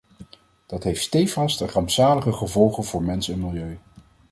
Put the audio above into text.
Dat heeft steevast rampzalige gevolgen voor mens en milieu.